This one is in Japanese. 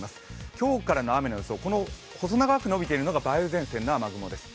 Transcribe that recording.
今日からの雨の予想、細長く伸びているのが梅雨前線の雨雲です。